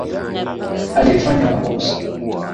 Alifanya makosa